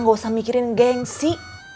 nggak usah mikirin gengsi